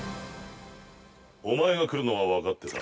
◆お前が来るのは分かってた。